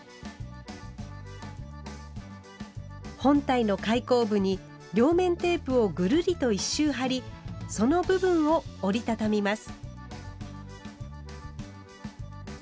本体の開口部に両面テープをぐるりと一周貼りその部分を折り畳みます。